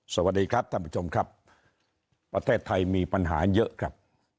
สวัสดีครับท่านผู้ชมครับประเทศไทยมีปัญหาเยอะครับ